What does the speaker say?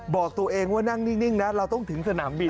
บอกตัวเองว่านั่งนิ่งนะเราต้องถึงสนามบิน